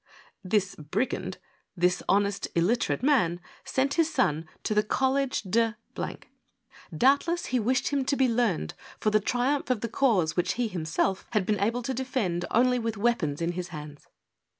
This brigand, this honest, illiterate man, sent his son to* the College d'A . Doubtless he wished him to be learned for the triumph of the cause which he him 314 BIG MICHIJ. self had been able to defend only with weapons m his hands.